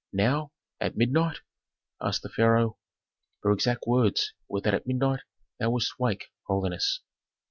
"Now? At midnight?" asked the pharaoh. "Her exact words were that at midnight thou wouldst wake, holiness."